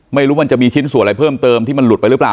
ไม่รู้มันจะมีชิ้นส่วนอะไรเพิ่มเติมที่มันหลุดไปหรือเปล่า